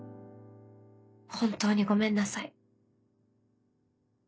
本当にごめんなさい」。